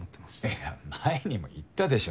いや前にも言ったでしょ。